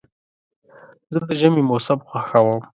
زه د ژمي موسم خوښوم.